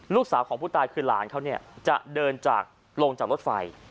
ลูกสาวของผู้ตายคือหลานเขาจะเดินจากลงจากรถไฟ